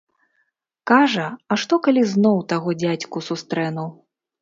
Кажа, а што, калі зноў таго дзядзьку сустрэну?